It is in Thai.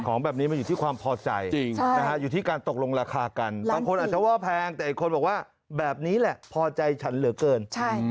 ของแบบนี้มันอยู่ที่ความพอใจอยู่ที่การตกลงราคากันบางคนอาจจะว่าแพงแต่อีกคนบอกว่าแบบนี้แหละพอใจฉันเหลือเกิน